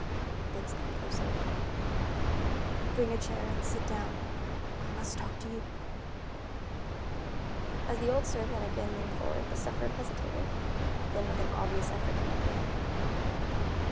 Biggs came closer. "Bring a chair and sit down. I must talk to you." As the old servant again leaned forward, the sufferer hesitated; then with an obvious effort he began.